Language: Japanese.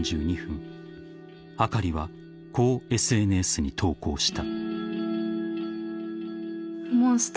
［あかりはこうＳＮＳに投稿した］